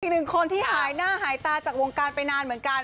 อีกหนึ่งคนที่หายหน้าหายตาจากวงการไปนานเหมือนกัน